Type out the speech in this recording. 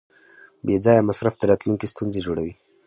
بېځایه مصرف د راتلونکي ستونزې جوړوي.